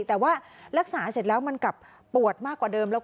แต่ว่ารักษาเสร็จแล้วมันกลับปวดมากกว่าเดิมแล้ว